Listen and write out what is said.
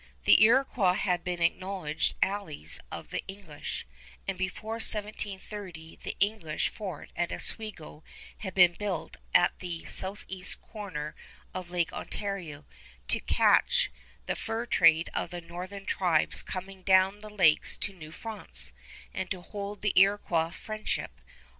The Iroquois had been acknowledged allies of the English, and before 1730 the English fort at Oswego had been built at the southeast corner of Lake Ontario to catch the fur trade of the northern tribes coming down the lakes to New France, and to hold the Iroquois' friendship.